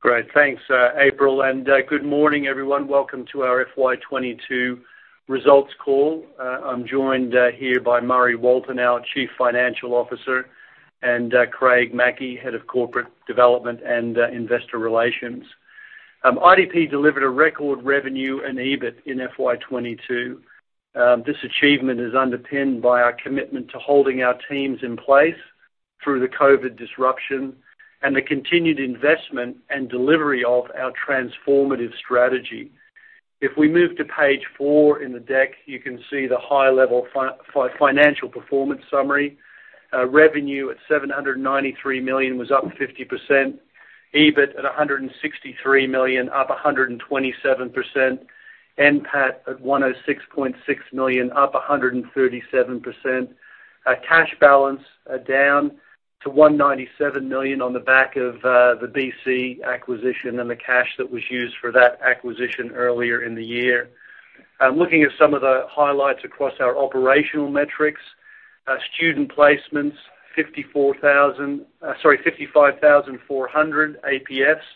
Great. Thanks, April. Good morning, everyone. Welcome to Our FY22 Results Call. I'm joined here by Murray Walton, our Chief Financial Officer, and Craig Mackey, Head of Corporate Development and Investor Relations. IDP delivered a record revenue and EBIT in FY22. This achievement is underpinned by our commitment to holding our teams in place through the COVID disruption and the continued investment and delivery of our transformative strategy. If we move to page four in the deck, you can see the high-level financial performance summary. Revenue at 793 million was up 50%. EBIT at 163 million, up 127%. NPAT at 106.6 million, up 137%. Cash balance down to 197 million on the back of the British Council acquisition and the cash that was used for that acquisition earlier in the year. Looking at some of the highlights across our operational metrics, Student Placements, 55,400 APFs.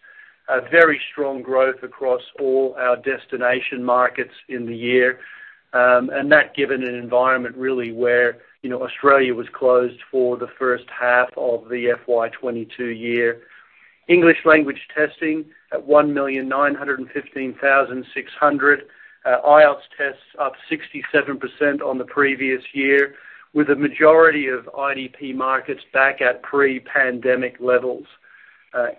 A very strong growth across all our destination markets in the year. That given an environment really where, you know, Australia was closed for the first half of the FY22 year. English Language Testing at 1,915,600. IELTS tests up 67% on the previous year, with the majority of IDP markets back at pre-pandemic levels.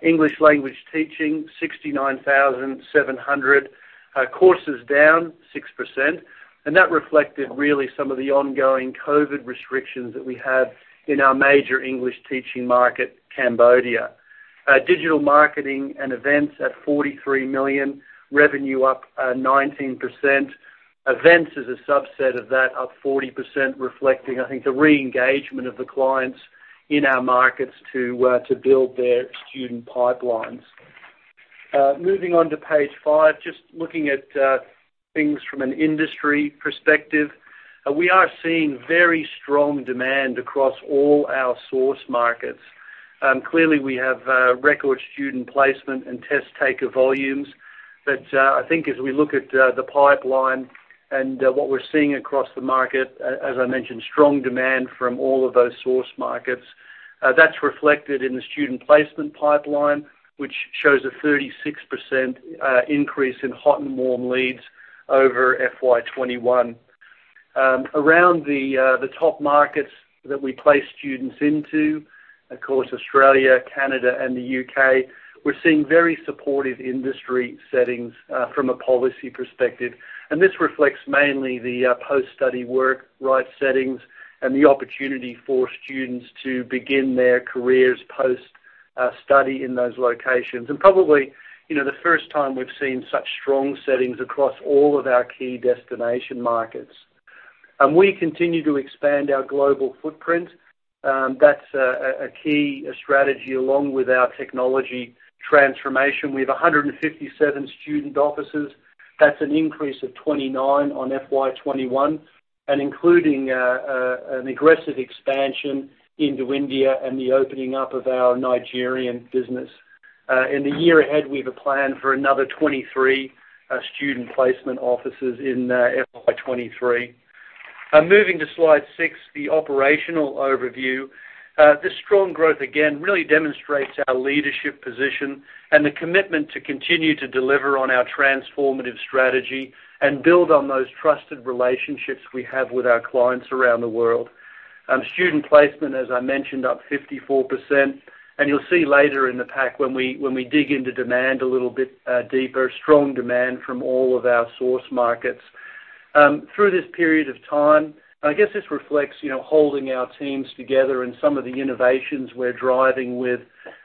English Language Teaching, 69,700. Courses down 6%, and that reflected really some of the ongoing COVID restrictions that we have in our major English Teaching market, Cambodia. Digital Marketing and Events at 43 million. Revenue up 19%. Events as a subset of that up 40%, reflecting, I think, the re-engagement of the clients in our markets to build their student pipelines. Moving on to page five, just looking at things from an industry perspective, we are seeing very strong demand across all our source markets. Clearly, we have record Student Placement and test taker volumes. I think as we look at the pipeline and what we're seeing across the market, as I mentioned, strong demand from all of those source markets. That's reflected in the Student Placement pipeline, which shows a 36% increase in hot and warm leads over FY21. Around the top markets that we place students into, of course, Australia, Canada and the U.K., we're seeing very supportive industry settings from a policy perspective. This reflects mainly the post-study work rights settings and the opportunity for students to begin their careers post study in those locations. Probably, you know, the first time we've seen such strong settings across all of our key destination markets. We continue to expand our global footprint. That's a key strategy along with our technology transformation. We have 157 student offices. That's an increase of 29 on FY21, and including an aggressive expansion into India and the opening up of our Nigerian business. In the year ahead, we have a plan for another 23 Student Placement offices in FY23. Moving to slide six, the operational overview. This strong growth, again, really demonstrates our leadership position and the commitment to continue to deliver on our transformative strategy and build on those trusted relationships we have with our clients around the world. Student Placement, as I mentioned, up 54%. You'll see later in the pack when we dig into demand a little bit deeper, strong demand from all of our source markets. Through this period of time, and I guess this reflects, you know, holding our teams together and some of the innovations we're driving with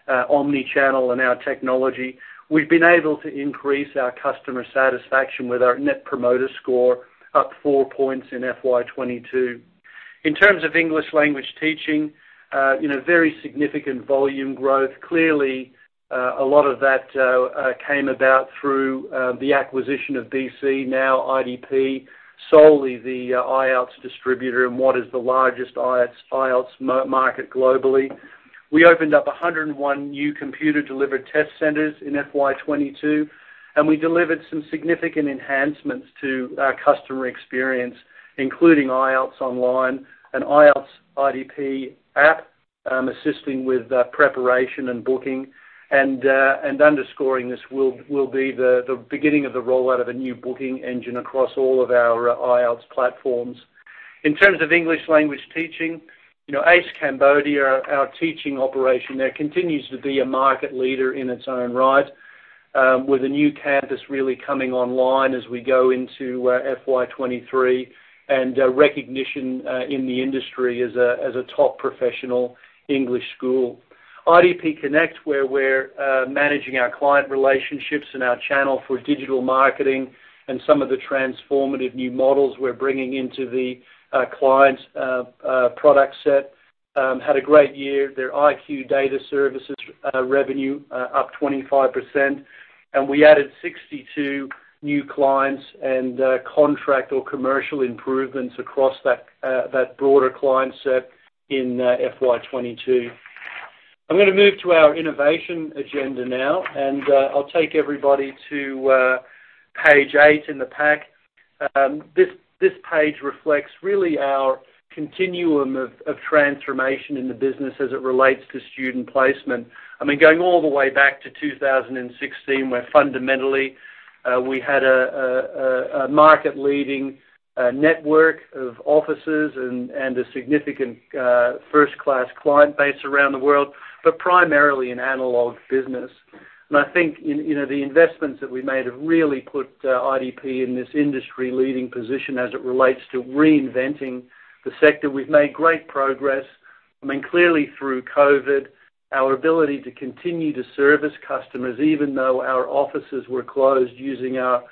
omnichannel and our technology, we've been able to increase our customer satisfaction with our net promoter score up 4 points in FY22. In terms of English Language Teaching, you know, very significant volume growth. Clearly, a lot of that came about through the acquisition of BC, now IDP solely the IELTS distributor in what is the largest IELTS market globally. We opened up 101 new computer-delivered test centers in FY22, and we delivered some significant enhancements to our customer experience, including IELTS Online and IELTS by IDP app, assisting with preparation and booking. Underscoring this will be the beginning of the rollout of a new booking engine across all of our IELTS platforms. In terms of English Language Teaching, you know, ACE Cambodia, our teaching operation there, continues to be a market leader in its own right, with a new campus really coming online as we go into FY23 and recognition in the industry as a top professional English school. IDP Connect, where we're managing our client relationships and our channel for digital marketing and some of the transformative new models we're bringing into the client product set, had a great year. Their IQ data services revenue up 25%. We added 62 new clients and contract or commercial improvements across that broader client set in FY22. I'm gonna move to our innovation agenda now, and I'll take everybody to page eight in the pack. This page reflects really our continuum of transformation in the business as it relates to Student Placement. I mean, going all the way back to 2016, where fundamentally, we had a market-leading network of offices and a significant first-class client base around the world, but primarily an analog business. I think, you know, the investments that we made have really put IDP in this industry-leading position as it relates to reinventing the sector. We've made great progress. I mean, clearly through COVID, our ability to continue to service customers, even though our offices were closed using our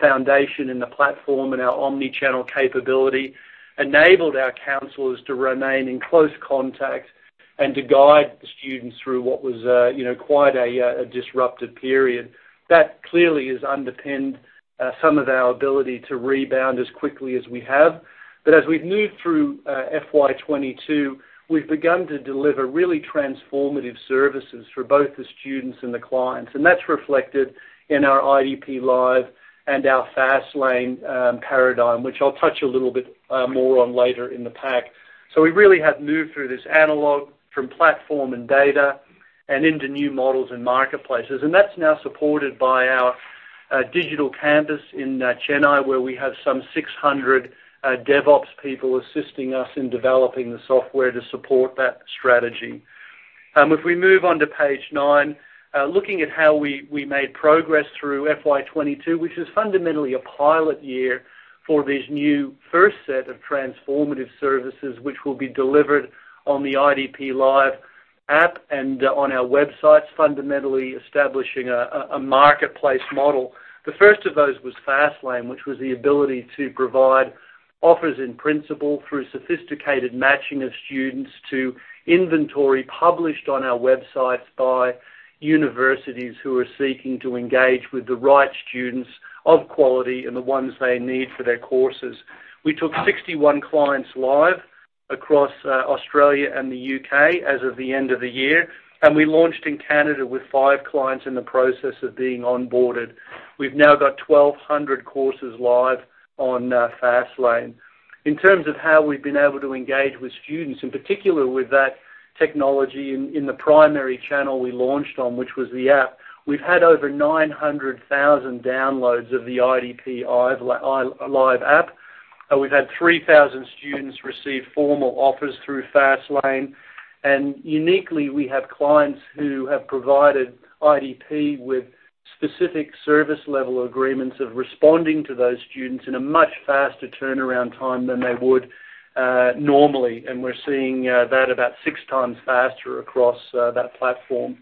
foundation and the platform and our omni-channel capability, enabled our counselors to remain in close contact and to guide the students through what was, you know, quite a disruptive period. That clearly has underpinned some of our ability to rebound as quickly as we have. As we've moved through FY22, we've begun to deliver really transformative services for both the students and the clients. That's reflected in our IDP Live and our FastLane paradigm, which I'll touch a little bit more on later in the pack. We really have moved through this analog from platform and data and into new models and marketplaces. That's now supported by our Digital Campus in Chennai, where we have some 600 DevOps people assisting us in developing the software to support that strategy. If we move on to page nine, looking at how we made progress through FY22, which is fundamentally a pilot year for this new first set of transformative services, which will be delivered on the IDP Live app and on our websites, fundamentally establishing a marketplace model. The first of those was FastLane, which was the ability to provide offers in principle through sophisticated matching of students to inventory published on our websites by universities who are seeking to engage with the right students of quality and the ones they need for their courses. We took 61 clients live across Australia and the U.K. as of the end of the year, and we launched in Canada with five clients in the process of being onboarded. We've now got 1,200 courses live on FastLane. In terms of how we've been able to engage with students, in particular with that technology in the primary channel we launched on, which was the app, we've had over 900,000 downloads of the IDP Live app. We've had 3,000 students receive formal offers through FastLane. Uniquely, we have clients who have provided IDP with specific service level agreements of responding to those students in a much faster turnaround time than they would normally. We're seeing that about 6 times faster across that platform.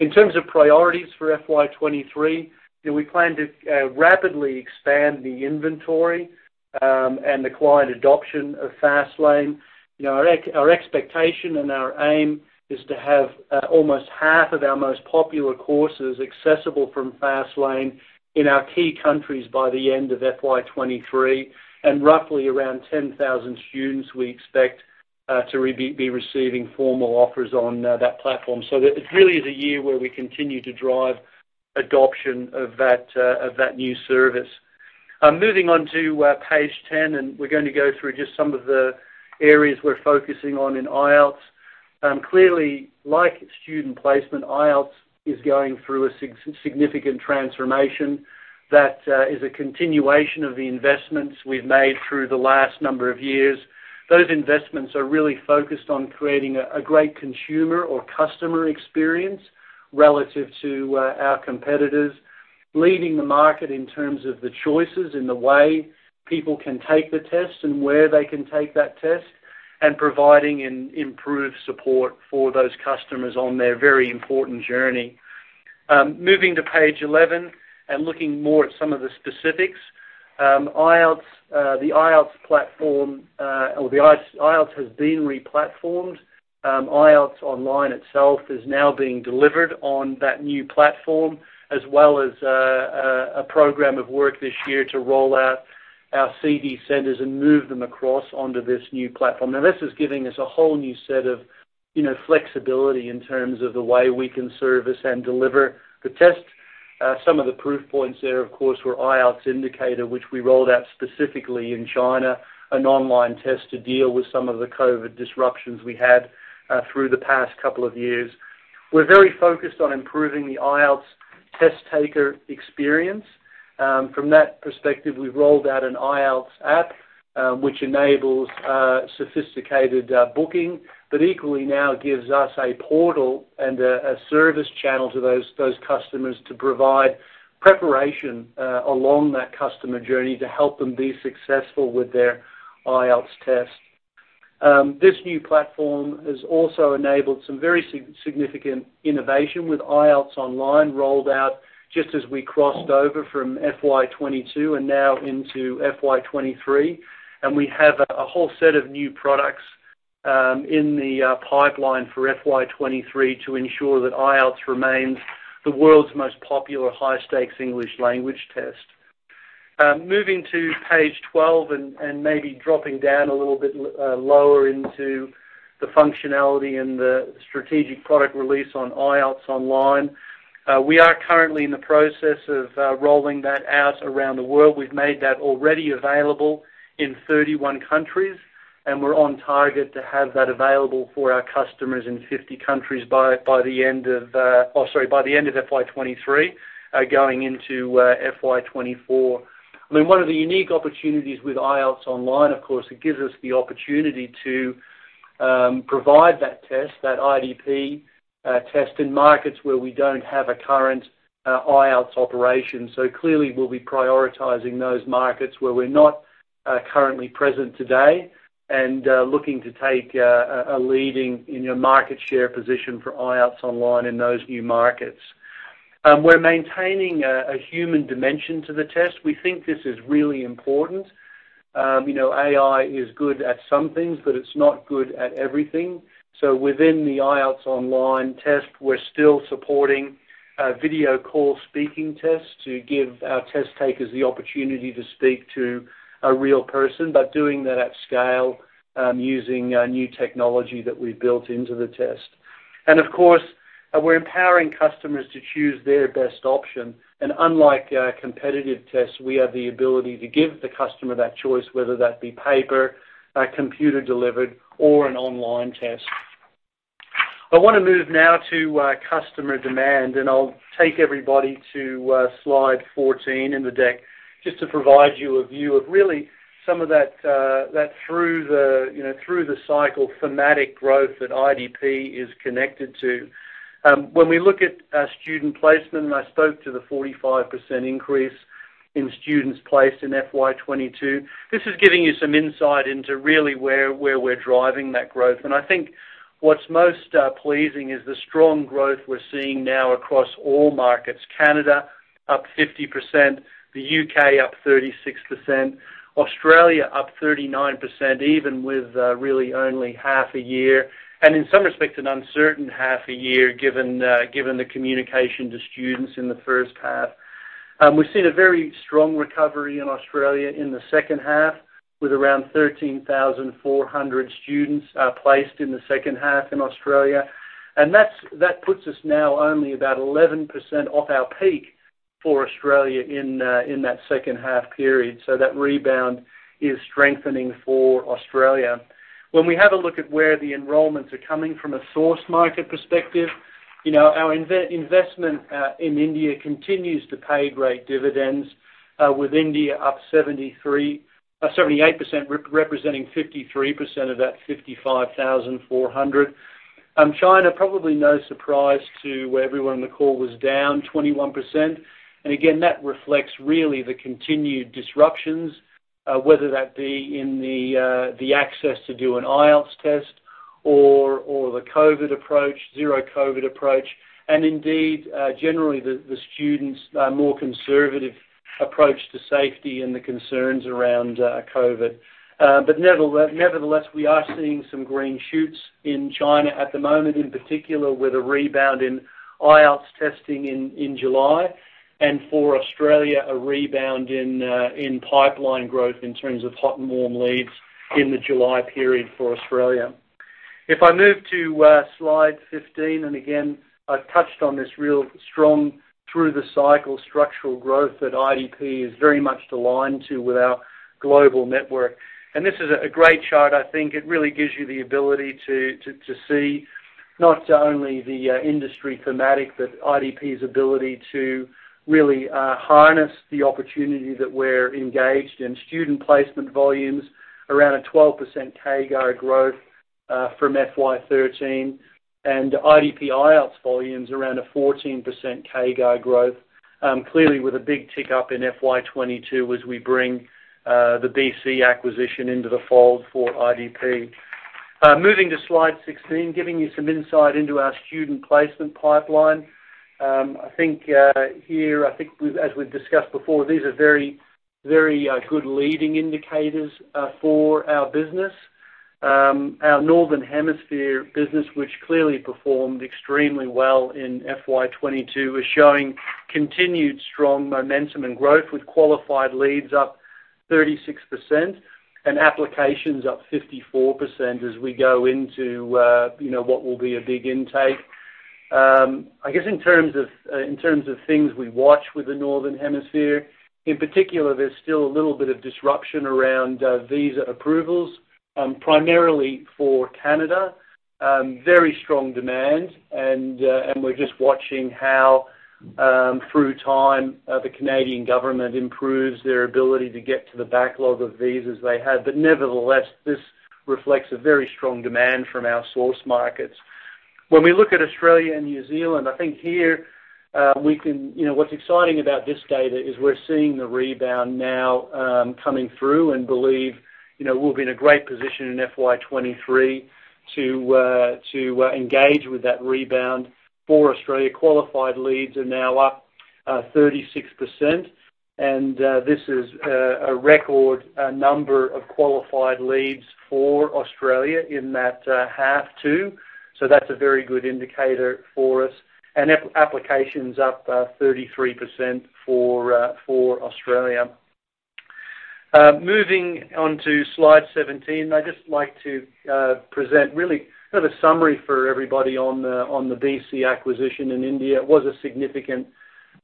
In terms of priorities for FY23, you know, we plan to rapidly expand the inventory and the client adoption of FastLane. You know, our expectation and our aim is to have almost half of our most popular courses accessible from FastLane in our key countries by the end of FY23, and roughly around 10,000 students we expect to be receiving formal offers on that platform. It really is a year where we continue to drive adoption of that new service. Moving on to page 10, we're gonna go through just some of the areas we're focusing on in IELTS. Clearly, like Student Placement, IELTS is going through a significant transformation that is a continuation of the investments we've made through the last number of years. Those investments are really focused on creating a great consumer or customer experience relative to our competitors, leading the market in terms of the choices and the way people can take the test and where they can take that test, and providing improved support for those customers on their very important journey. Moving to page 11 and looking more at some of the specifics. IELTS, the IELTS platform, or the IELTS has been replatformed. IELTS Online itself is now being delivered on that new platform, as well as a program of work this year to roll out our CD centers and move them across onto this new platform. Now, this is giving us a whole new set of, you know, flexibility in terms of the way we can service and deliver the test. Some of the proof points there, of course, were IELTS Indicator, which we rolled out specifically in China, an online test to deal with some of the COVID disruptions we had through the past couple of years. We're very focused on improving the IELTS test taker experience. From that perspective, we've rolled out an IELTS app, which enables sophisticated booking, but equally now gives us a portal and a service channel to those customers to provide preparation along that customer journey to help them be successful with their IELTS test. This new platform has also enabled some very significant innovation with IELTS Online rolled out just as we crossed over from FY22 and now into FY23. We have a whole set of new products in the pipeline for FY 2023 to ensure that IELTS remains the world's most popular high-stakes English language test. Moving to page 12 and maybe dropping down a little bit lower into the functionality and the strategic product release on IELTS Online. We are currently in the process of rolling that out around the world. We've made that already available in 31 countries, and we're on target to have that available for our customers in 50 countries by the end of FY 2023, going into FY 2024. I mean, one of the unique opportunities with IELTS Online, of course, it gives us the opportunity to provide that test, that IDP test in markets where we don't have a current IELTS operation. Clearly, we'll be prioritizing those markets where we're not currently present today and looking to take a leading, you know, market share position for IELTS Online in those new markets. We're maintaining a human dimension to the test. We think this is really important. You know, AI is good at some things, but it's not good at everything. Within the IELTS Online test, we're still supporting a video call speaking test to give our test takers the opportunity to speak to a real person, but doing that at scale using a new technology that we built into the test. Of course, we're empowering customers to choose their best option. Unlike competitive tests, we have the ability to give the customer that choice, whether that be paper, a computer-delivered or an online test. I wanna move now to customer demand, and I'll take everybody to slide 14 in the deck just to provide you a view of really some of that through the, you know, through the cycle thematic growth that IDP is connected to. When we look at our Student Placement, and I spoke to the 45% increase in students placed in FY22, this is giving you some insight into really where we're driving that growth. I think what's most pleasing is the strong growth we're seeing now across all markets. Canada up 50%, the U.K. up 36%, Australia up 39%, even with really only half a year, and in some respects, an uncertain half a year given the communication to students in the first half. We've seen a very strong recovery in Australia in the second half, with around 13,400 students placed in the second half in Australia. That puts us now only about 11% off our peak for Australia in that second half period. That rebound is strengthening for Australia. When we have a look at where the enrollments are coming from a source market perspective, you know, our investment in India continues to pay great dividends, with India up 78%, representing 53% of that 55,400. China, probably no surprise to everyone on the call, was down 21%. That reflects really the continued disruptions, whether that be in the access to do an IELTS test or the COVID approach, zero COVID approach, and indeed generally the students' more conservative approach to safety and the concerns around COVID. Nevertheless, we are seeing some green shoots in China at the moment, in particular with a rebound in IELTS testing in July, and for Australia, a rebound in pipeline growth in terms of hot and warm leads in the July period for Australia. If I move to slide 15, I've touched on this real strong through the cycle structural growth that IDP is very much aligned to with our global network. This is a great chart, I think. It really gives you the ability to see not only the industry thematic, but IDP's ability to really harness the opportunity that we're engaged in. Student Placement volumes around a 12% CAGR growth from FY13, and IDP IELTS volumes around a 14% CAGR growth. Clearly with a big tick up in FY22 as we bring the BC acquisition into the fold for IDP. Moving to slide 16, giving you some insight into our Student Placement pipeline. I think here, as we've discussed before, these are very good leading indicators for our business. Our Northern Hemisphere business, which clearly performed extremely well in FY22, is showing continued strong momentum and growth with qualified leads up 36% and applications up 54% as we go into, you know, what will be a big intake. I guess in terms of things we watch with the Northern Hemisphere, in particular, there's still a little bit of disruption around visa approvals, primarily for Canada. Very strong demand, and we're just watching how, through time, the Canadian government improves their ability to get to the backlog of visas they have. Nevertheless, this reflects a very strong demand from our source markets. When we look at Australia and New Zealand, I think here, we can. You know, what's exciting about this data is we're seeing the rebound now, coming through and believe, you know, we'll be in a great position in FY23 to engage with that rebound. For Australia, qualified leads are now up 36%, and this is a record number of qualified leads for Australia in that half too. So that's a very good indicator for us, and applications up 33% for Australia. Moving on to slide 17. I'd just like to present really sort of a summary for everybody on the BC acquisition in India. It was a significant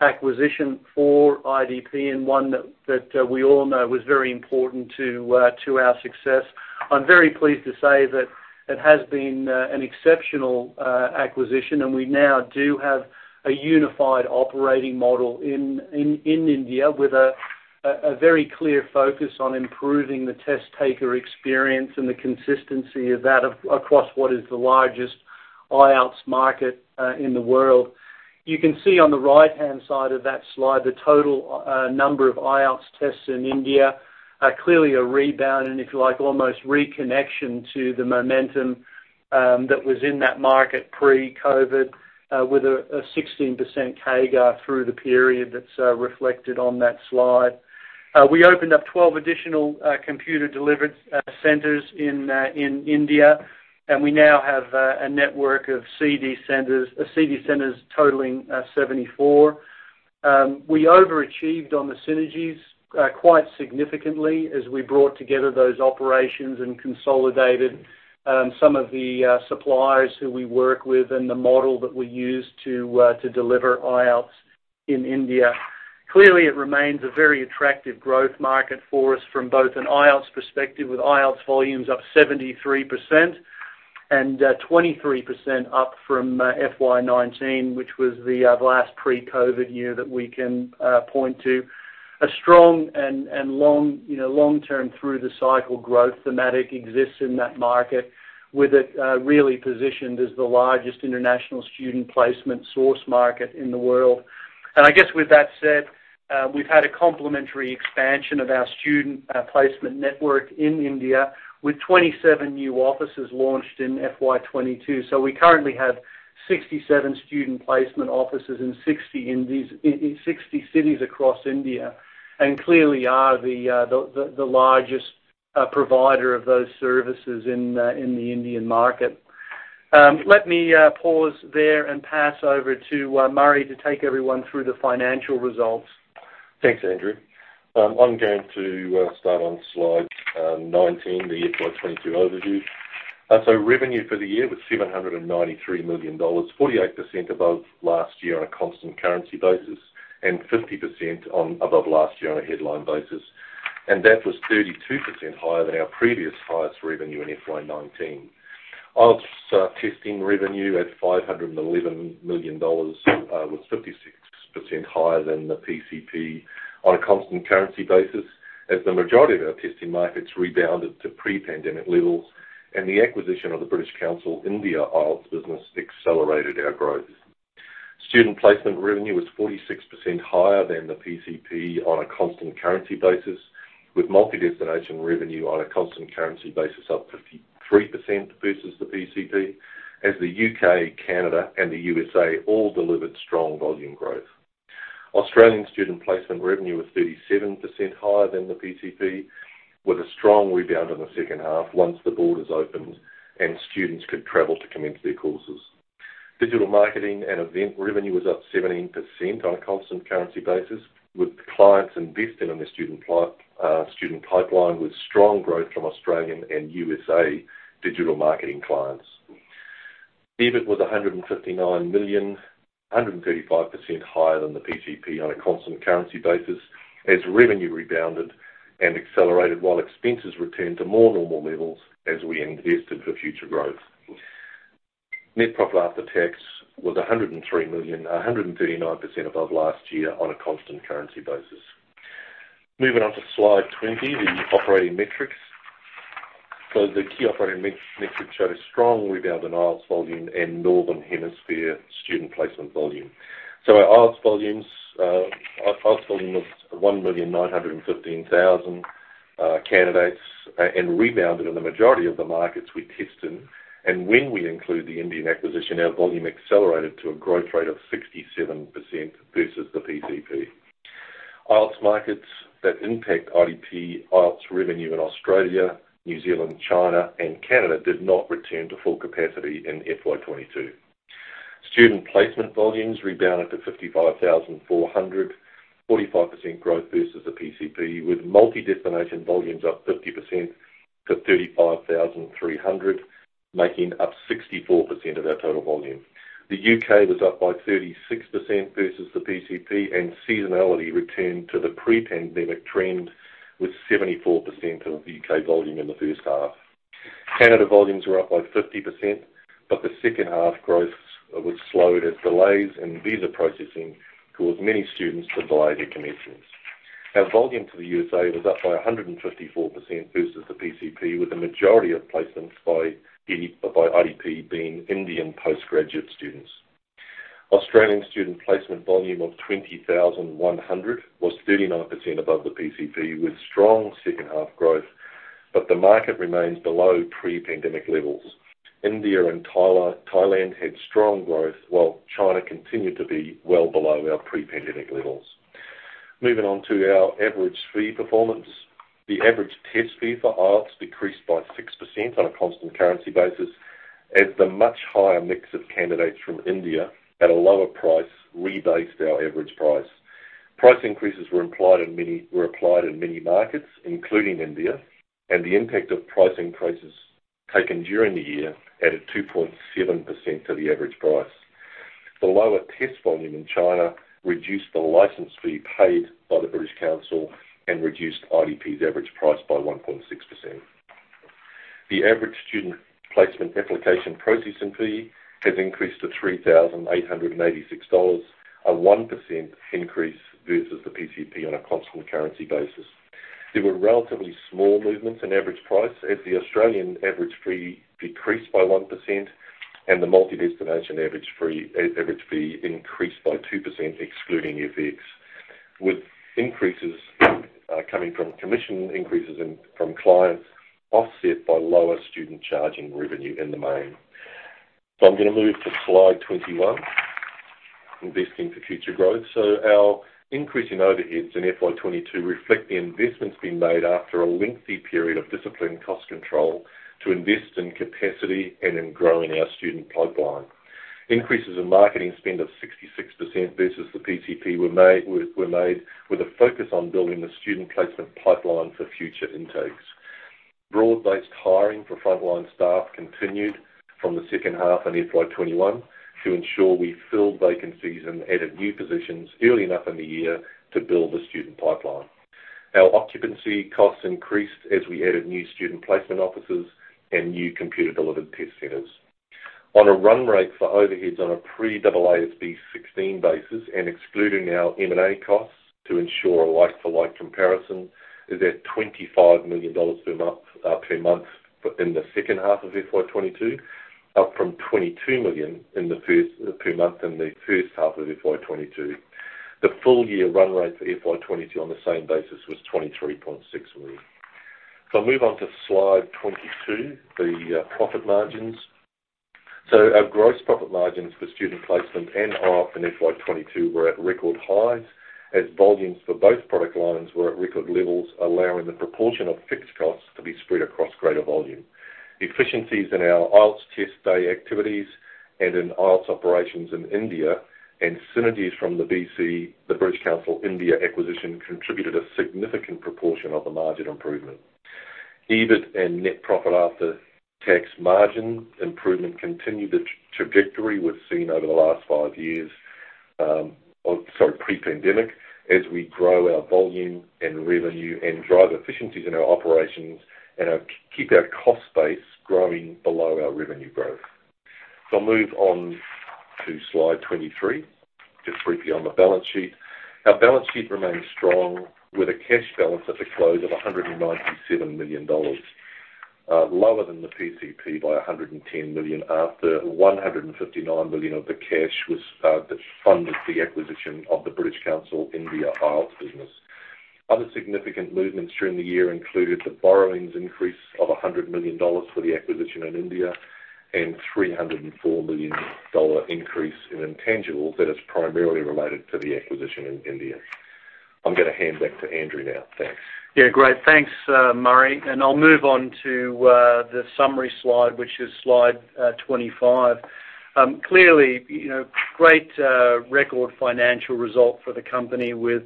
acquisition for IDP and one that we all know was very important to our success. I'm very pleased to say that it has been an exceptional acquisition, and we now do have a unified operating model in India with a very clear focus on improving the test-taker experience and the consistency of that across what is the largest IELTS market in the world. You can see on the right-hand side of that slide the total number of IELTS tests in India are clearly a rebound and, if you like, almost reconnection to the momentum that was in that market pre-COVID with a 16% CAGR through the period that's reflected on that slide. We opened up 12 additional computer-delivered centers in India, and we now have a network of CD centers totaling 74. We overachieved on the synergies quite significantly as we brought together those operations and consolidated some of the suppliers who we work with and the model that we use to deliver IELTS in India. Clearly, it remains a very attractive growth market for us from both an IELTS perspective, with IELTS volumes up 73% and 23% up from FY19, which was the last pre-COVID year that we can point to. A strong and long, you know, long-term through-the-cycle growth thematic exists in that market, with it really positioned as the largest international Student Placement source market in the world. I guess with that said, we've had a complementary expansion of our Student Placement network in India, with 27 new offices launched in FY22. We currently have 67 Student Placement offices in 60 cities across India and clearly are the largest provider of those services in the Indian market. Let me pause there and pass over to Murray to take everyone through the financial results. Thanks, Andrew. I'm going to start on slide 19, the FY22 overview. Revenue for the year was 793 million dollars, 48% above last year on a constant currency basis and 50% above last year on a headline basis. That was 32% higher than our previous highest revenue in FY19. IELTS testing revenue at 511 million dollars was 56% higher than the PCP on a constant currency basis, as the majority of our testing markets rebounded to pre-pandemic levels and the acquisition of the British Council India IELTS business accelerated our growth. Student Placement revenue was 46% higher than the PCP on a constant currency basis, with multi-destination revenue on a constant currency basis up 53% vs the PCP, as the U.K., Canada, and the U.S.A. all delivered strong volume growth. Australian Student Placement revenue was 37% higher than the PCP, with a strong rebound in the second half once the borders opened and students could travel to commence their courses. Digital Marketing and Event revenue was up 17% on a constant currency basis, with clients investing in the student pipeline with strong growth from Australian and U.S.A. digital marketing clients. EBIT was 159 million, 135% higher than the PCP on a constant currency basis as revenue rebounded and accelerated while expenses returned to more normal levels as we invested for future growth. Net profit after tax was 103 million, 139% above last year on a constant currency basis. Moving on to slide 20, the operating metrics. The key operating metrics show a strong rebound in IELTS volume and Northern Hemisphere Student Placement volume. Our IELTS volumes, IELTS volume of 1,915,000 candidates, and rebounded in the majority of the markets we test in. When we include the Indian acquisition, our volume accelerated to a growth rate of 67% vs the PCP. IELTS markets that impact IDP IELTS revenue in Australia, New Zealand, China, and Canada did not return to full capacity in FY22. Student Placement volumes rebounded to 55,400, 45% growth vs the PCP, with multi-destination volumes up 50% to 35,300, making up 64% of our total volume. The U.K. was up by 36% vs the PCP and seasonality returned to the pre-pandemic trend, with 74% of the U.K. volume in the first half. Canada volumes were up by 50%, but the second half growth was slowed as delays in visa processing caused many students to delay their commencements. Our volume to the U.S.A. was up by 154% vs the PCP, with the majority of placements by IDP being Indian postgraduate students. Australian Student Placement volume of 20,100 was 39% above the PCP, with strong second half growth. The market remains below pre-pandemic levels. India and Thailand had strong growth, while China continued to be well below our pre-pandemic levels. Moving on to our average fee performance. The average test fee for IELTS decreased by 6% on a constant currency basis as the much higher mix of candidates from India at a lower price rebased our average price. Price increases were applied in many markets, including India, and the impact of price increases taken during the year added 2.7% to the average price. The lower test volume in China reduced the license fee paid by the British Council and reduced IDP's average price by 1.6%. The average Student Placement application processing fee has increased to 3,886 dollars, a 1% increase vs the PCP on a constant currency basis. There were relatively small movements in average price as the Australian average fee decreased by 1% and the multi-destination average fee increased by 2% excluding FX, with increases coming from commission increases from clients offset by lower student charging revenue in the main. I'm gonna move to slide 21. Investing for future growth. Our increase in overheads in FY22 reflect the investments being made after a lengthy period of disciplined cost control to invest in capacity and in growing our student pipeline. Increases in marketing spend of 66% vs the PCP were made with a focus on building the Student Placement pipeline for future intakes. Broad-based hiring for frontline staff continued from the second half in FY21 to ensure we filled vacancies and added new positions early enough in the year to build the student pipeline. Our occupancy costs increased as we added new Student Placement officers and new computer-delivered test centers. On a run rate for overheads on a pre-AASB 16 basis and excluding our M&A costs to ensure a like-for-like comparison is at 25 million dollars per month, but in the second half of FY22, up from 22 million per month in the first half of FY22. The full-year run rate for FY22 on the same basis was 23.6 million. I'll move on to slide 22, the profit margins. Our gross profit margins for Student Placement and IELTS in FY22 were at record highs, as volumes for both product lines were at record levels, allowing the proportion of fixed costs to be spread across greater volume. The efficiencies in our IELTS test day activities and in IELTS operations in India and synergies from the BC, the British Council India acquisition, contributed a significant proportion of the margin improvement. EBIT and net profit after tax margin improvement continued the trajectory we've seen over the last five years pre-pandemic, as we grow our volume and revenue and drive efficiencies in our operations and keep our cost base growing below our revenue growth. I'll move on to slide 23, just briefly on the balance sheet. Our balance sheet remains strong with a cash balance at the close of 197 million dollars, lower than the PCP by 110 million, after 159 million of the cash was that funded the acquisition of the British Council India IELTS business. Other significant movements during the year included the borrowings increase of 100 million dollars for the acquisition in India and 304 million dollar increase in intangibles that is primarily related to the acquisition in India. I'm gonna hand back to Andrew now. Thanks. Yeah. Great. Thanks, Murray. I'll move on to the summary slide, which is slide 25. Clearly, you know, great record financial result for the company with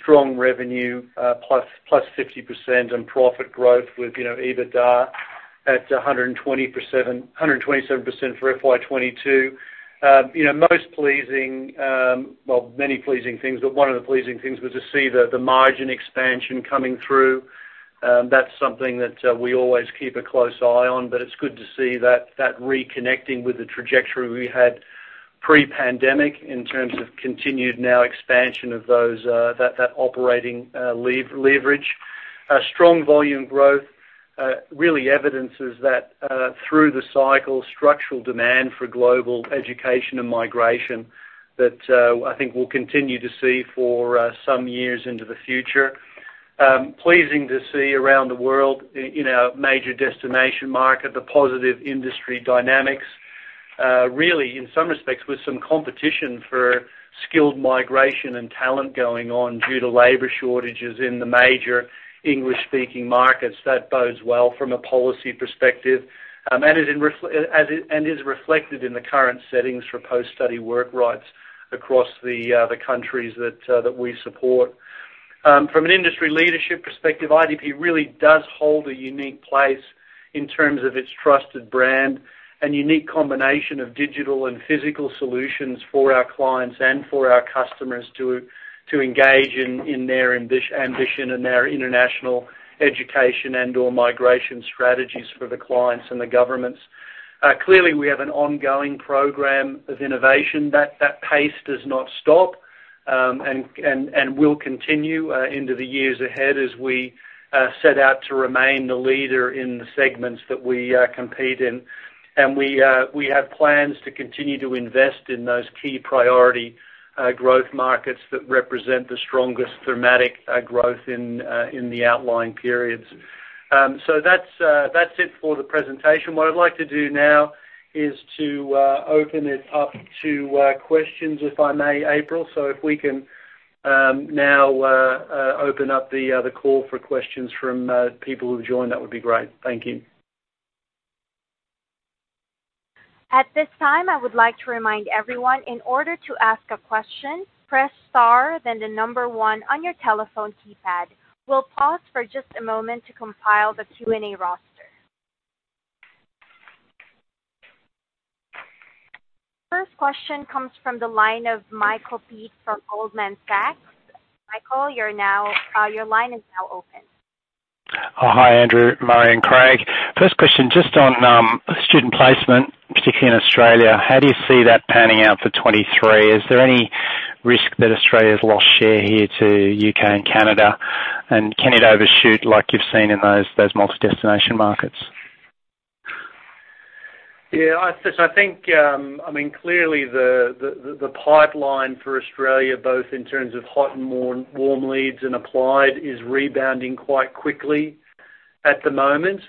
strong revenue plus-plus 50% and profit growth with you know, EBITDA at 127% for FY22. You know, most pleasing, well, many pleasing things, but one of the pleasing things was to see the margin expansion coming through. That's something that we always keep a close eye on, but it's good to see that reconnecting with the trajectory we had pre-pandemic in terms of continued now expansion of those operating leverage. A strong volume growth really evidences that, through the cycle, structural demand for global education and migration that I think we'll continue to see for some years into the future. Pleasing to see around the world in our major destination market, the positive industry dynamics, really in some respects, with some competition for skilled migration and talent going on due to labor shortages in the major English-speaking markets. That bodes well from a policy perspective, and is reflected in the current settings for post-study work rights across the countries that we support. From an industry leadership perspective, IDP really does hold a unique place in terms of its trusted brand and unique combination of digital and physical solutions for our clients and for our customers to engage in their ambition and their international education and/or migration strategies for the clients and the governments. Clearly, we have an ongoing program of innovation. That pace does not stop, and will continue into the years ahead as we set out to remain the leader in the segments that we compete in. We have plans to continue to invest in those key priority growth markets that represent the strongest thematic growth in the outlying periods. That's it for the presentation. What I'd like to do now is to open it up to questions, if I may, April. If we can now open up the call for questions from people who've joined, that would be great. Thank you. At this time, I would like to remind everyone, in order to ask a question, press star, then the number one on your telephone keypad. We'll pause for just a moment to compile the Q&A roster. First question comes from the line of Michael Paese from Goldman Sachs. Michael, your line is now open. Oh, hi, Andrew, Murray, and Craig. First question, just on Student Placement, particularly in Australia, how do you see that panning out for 2023? Is there any risk that Australia has lost share here to U.K. and Canada? Can it overshoot like you've seen in those multi-destination markets? I think, I mean, clearly the pipeline for Australia, both in terms of hot and warm leads and applied, is rebounding quite quickly at the moment.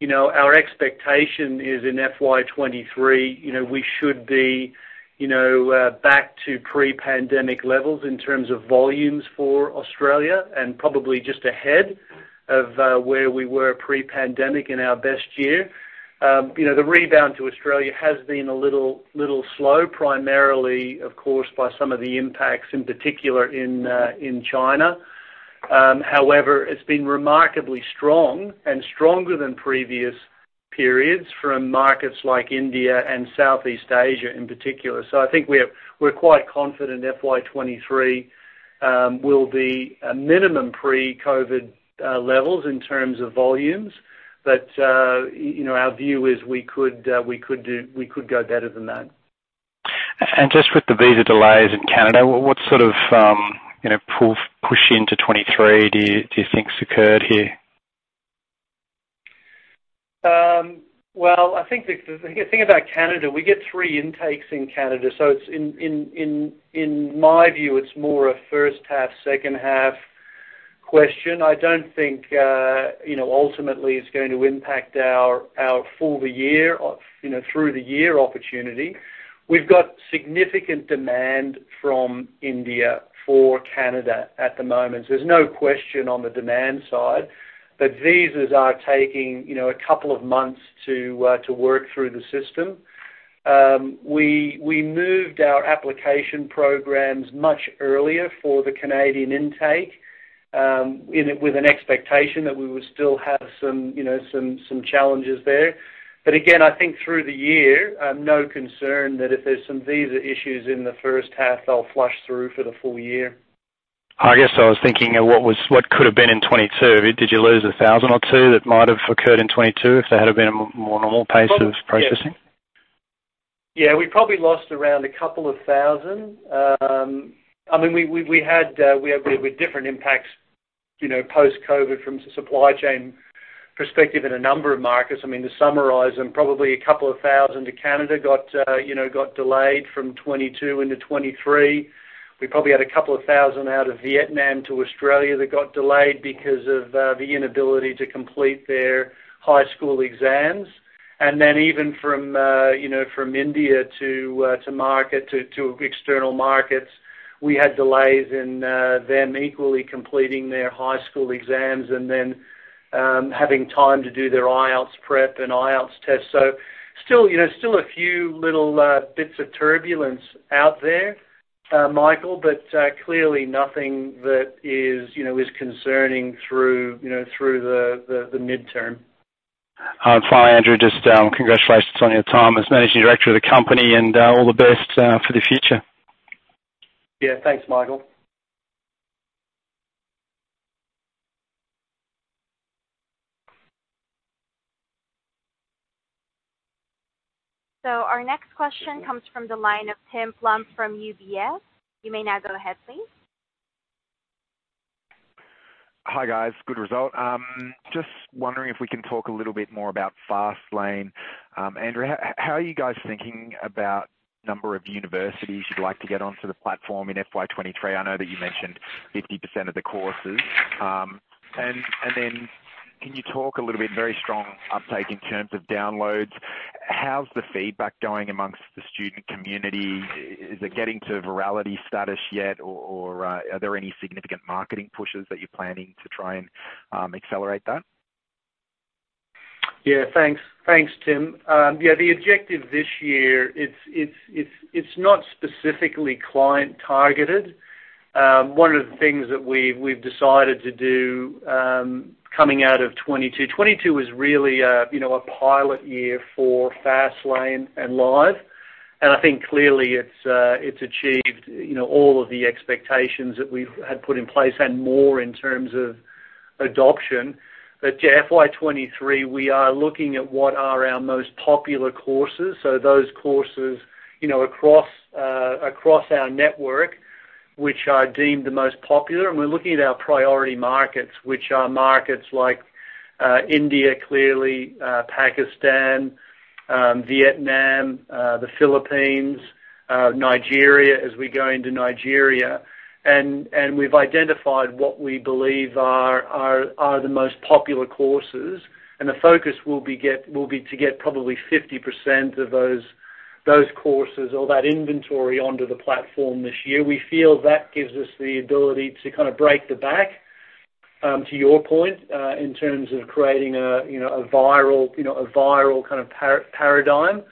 You know, our expectation is in FY23, you know, we should be, you know, back to pre-pandemic levels in terms of volumes for Australia and probably just ahead of where we were pre-pandemic in our best year. You know, the rebound to Australia has been a little slow, primarily, of course, by some of the impacts, in particular in China. However, it's been remarkably strong and stronger than previous periods from markets like India and Southeast Asia in particular. I think we're quite confident FY23 will be a minimum pre-COVID levels in terms of volumes. You know, our view is we could go better than that. Just with the visa delays in Canada, what sort of, you know, push into 2023 do you think's occurred here? Well, I think the thing about Canada, we get three intakes in Canada, so it's in my view, it's more a first half, second half question. I don't think you know, ultimately it's going to impact our full year or you know, through the year opportunity. We've got significant demand from India for Canada at the moment. There's no question on the demand side that visas are taking you know, a couple of months to work through the system. We moved our application programs much earlier for the Canadian intake in it with an expectation that we would still have some challenges there. But again, I think through the year, no concern that if there's some visa issues in the first half, they'll flush through for the full year. I guess I was thinking of what could have been in 2022. Did you lose 1,000 or 2,000 that might have occurred in 2022 if there had been a more normal pace of processing? Yeah. We probably lost around 2,000. I mean, we had with different impacts, you know, post-COVID from supply chain perspective in a number of markets. I mean, to summarize, probably 2,000 to Canada got delayed from 2022 into 2023. We probably had 2,000 out of Vietnam to Australia that got delayed because of the inability to complete their high school exams. Then even from, you know, from India to external markets, we had delays in them equally completing their high school exams and then having time to do their IELTS prep and IELTS test. Still, you know, a few little bits of turbulence out there, Michael, but clearly nothing that is, you know, concerning through, you know, through the midterm. Fine, Andrew. Just congratulations on your time as managing director of the company and all the best for the future. Yeah, thanks, Michael. Our next question comes from the line of Tim Plum from UBS. You may now go ahead, please. Hi, guys. Good result. Just wondering if we can talk a little bit more about FastLane. Andrew, how are you guys thinking about number of universities you'd like to get onto the platform in FY23? I know that you mentioned 50% of the courses. Can you talk a little bit, very strong uptake in terms of downloads. How's the feedback going among the student community? Is it getting to virality status yet or are there any significant marketing pushes that you're planning to try and accelerate that? Yeah, thanks. Thanks, Tim. The objective this year, it's not specifically client targeted. One of the things that we've decided to do, coming out of 2022. 2022 is really a pilot year for FastLane and Live, and I think clearly it's achieved all of the expectations that we've had put in place and more in terms of adoption. Yeah, FY23, we are looking at what are our most popular courses. Those courses, you know, across our network which are deemed the most popular, and we're looking at our priority markets, which are markets like India, clearly, Pakistan, Vietnam, the Philippines, Nigeria as we go into Nigeria. We've identified what we believe are the most popular courses, and the focus will be to get probably 50% of those courses or that inventory onto the platform this year. We feel that gives us the ability to kind of break the back to your point in terms of creating a you know a viral you know a viral kind of paradigm.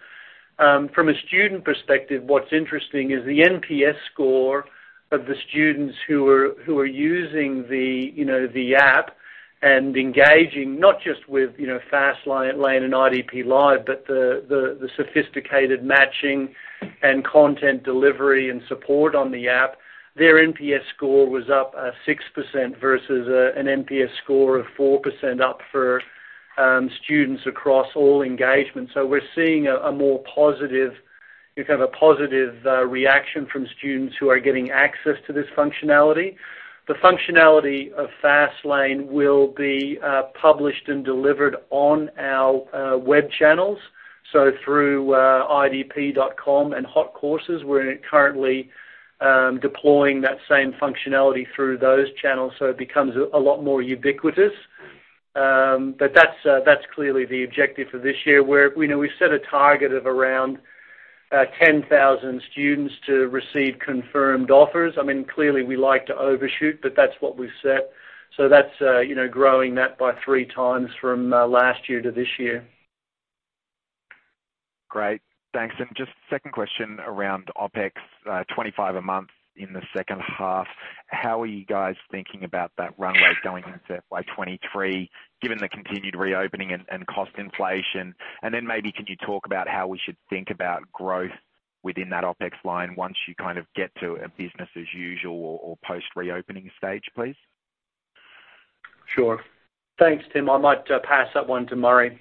From a student perspective, what's interesting is the NPS score of the students who are using the you know the app and engaging not just with you know FastLane and IDP Live but the sophisticated matching and content delivery and support on the app, their NPS score was up 6% vs an NPS score of 4% up for students across all engagements. We're seeing a more positive reaction from students who are getting access to this functionality. The functionality of FastLane will be published and delivered on our web channels, so through idp.com and Hotcourses. We're currently deploying that same functionality through those channels, so it becomes a lot more ubiquitous. That's clearly the objective for this year, where we know we've set a target of around 10,000 students to receive confirmed offers. I mean, clearly we like to overshoot, but that's what we've set. That's, you know, growing that by three times from last year to this year. Great. Thanks. Just second question around OpEx, 25 a month in the second half. How are you guys thinking about that runway going into FY 2023, given the continued reopening and cost inflation? Maybe you could talk about how we should think about growth within that OpEx line once you kind of get to a business as usual or post-reopening stage, please? Sure. Thanks, Tim. I might pass that one to Murray.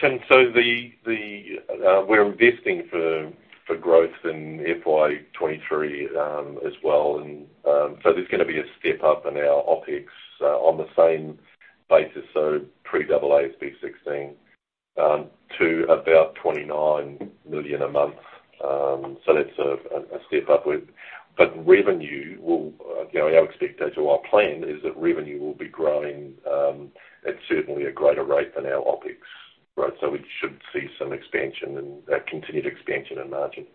Tim, we're investing for growth in FY23 as well. There's gonna be a step up in our OpEx on the same basis, so pre-AASB 16 to about 29 million a month. That's a step up. Revenue will, you know, our expectation or our plan is that revenue will be growing at certainly a greater rate than our OpEx, right? We should see some expansion and continued expansion and margin.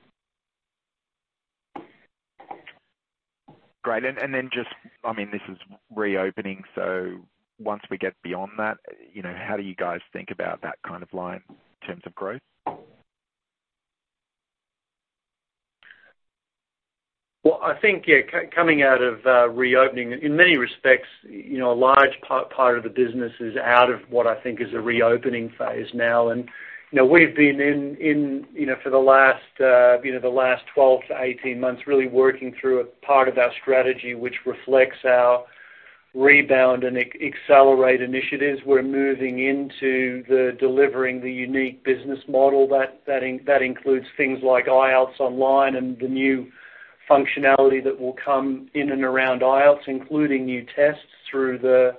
Great. Just, I mean, this is reopening, so once we get beyond that, you know, how do you guys think about that kind of line in terms of growth? Well, I think, yeah, coming out of reopening in many respects, you know, a large part of the business is out of what I think is a reopening phase now. You know, we've been in, you know, for the last 12-18 months, really working through a part of our strategy which reflects our rebound and accelerate initiatives. We're moving into the delivering the unique business model that includes things like IELTS Online and the new functionality that will come in and around IELTS, including new tests through the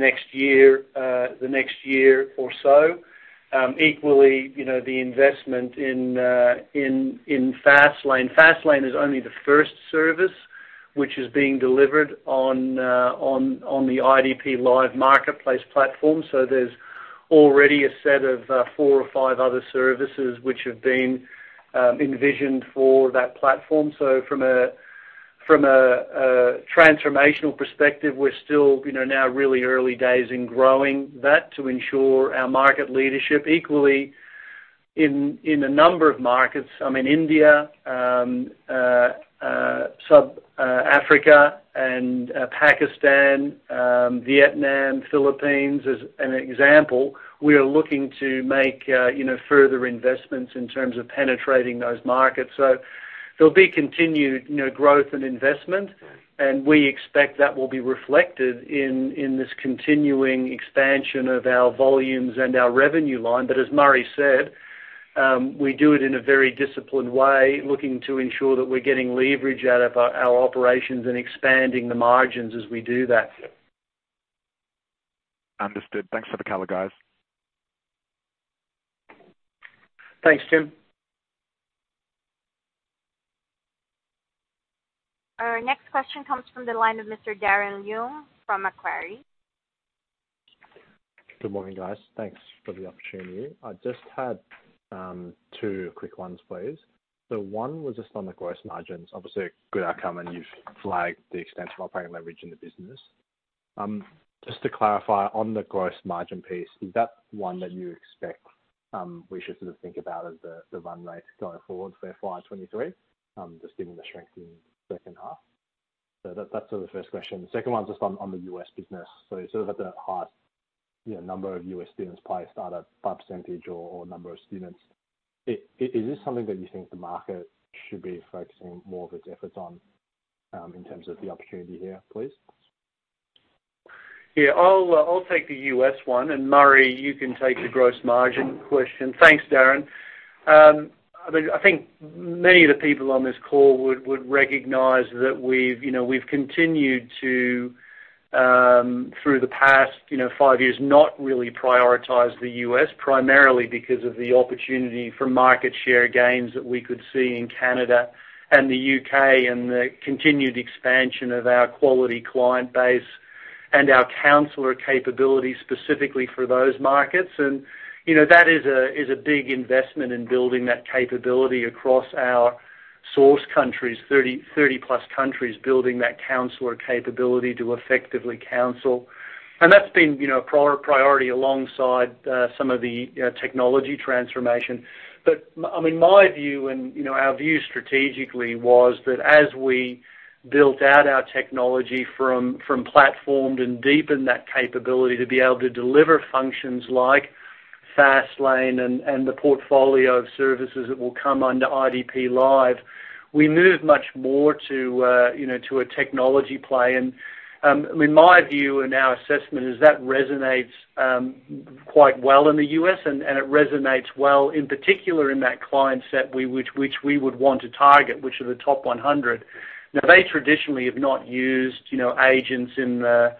next year or so. Equally, you know, the investment in FastLane. FastLane is only the first service which is being delivered on the IDP Live marketplace platform. There's already a set of four or five other services which have been envisioned for that platform. From a transformational perspective, we're still you know now really early days in growing that to ensure our market leadership equally in a number of markets. I mean, India, Sub-Saharan Africa and Pakistan, Vietnam, Philippines as an example, we are looking to make you know further investments in terms of penetrating those markets. There'll be continued you know growth and investment, and we expect that will be reflected in this continuing expansion of our volumes and our revenue line. As Murray said, we do it in a very disciplined way, looking to ensure that we're getting leverage out of our operations and expanding the margins as we do that. Understood. Thanks for the color, guys. Thanks, Tim. Our next question comes from the line of Mr. Darren Leung from Macquarie. Good morning, guys. Thanks for the opportunity. I just had two quick ones, please. One was just on the gross margins. Obviously a good outcome, and you've flagged the extent of operating leverage in the business. Just to clarify on the gross margin piece, is that one that you expect we should sort of think about as the run rate going forward for FY 2023, just given the strength in second half? That's sort of the first question. The second one is just on the U.S. business. Sort of at the highest, you know, number of U.S. students placed out of 50% or number of students. Is this something that you think the market should be focusing more of its efforts on, in terms of the opportunity here, please? Yeah. I'll take the U.S. one, and Murray, you can take the gross margin question. Thanks, Darren. I mean, I think many of the people on this call would recognize that we've continued to, through the past, you know, five years, not really prioritize the U.S. primarily because of the opportunity for market share gains that we could see in Canada and the U.K., and the continued expansion of our quality client base and our counselor capabilities specifically for those markets. You know, that is a big investment in building that capability across our source countries, 30+ countries, building that counselor capability to effectively counsel. That's been, you know, a priority alongside some of the technology transformation. I mean, my view and, you know, our view strategically was that as we built out our technology from platformed and deepened that capability to be able to deliver functions like FastLane and the portfolio of services that will come under IDP Live, we move much more to, you know, to a technology play. I mean, my view and our assessment is that resonates quite well in the U.S., and it resonates well in particular in that client set which we would want to target, which are the top 100. Now, they traditionally have not used, you know, agents in the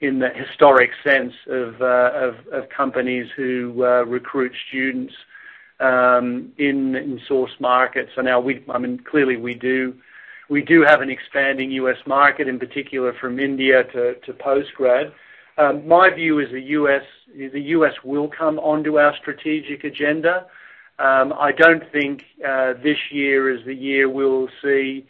historic sense of companies who recruit students in source markets. I mean, clearly we do have an expanding U.S. market, in particular from India to postgrad. My view is the U.S. will come onto our strategic agenda. I don't think this year is the year we'll see,